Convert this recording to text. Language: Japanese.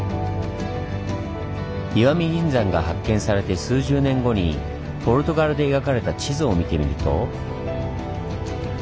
石見銀山が発見されて数十年後にポルトガルで描かれた地図を見てみると。